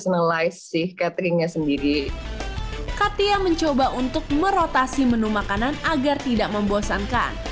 cateringnya sendiri katia mencoba untuk merotasi menu makanan agar tidak membosankan